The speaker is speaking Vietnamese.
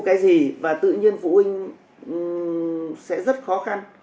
cái gì và tự nhiên phụ huynh sẽ rất khó khăn